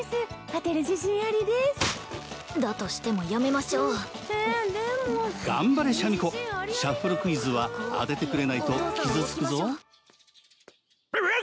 当てる自信ありですだとしてもやめましょうえでも頑張れシャミ子シャッフルクイズは当ててくれないと傷つくぞバウワウ！